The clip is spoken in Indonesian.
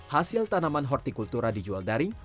hasil tanaman hortikultura dijual daring